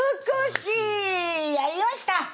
美しい！やりました！